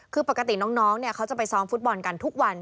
คือปกติน้องเขาจะไปซ้อมฟุตบอลกันทุกวัน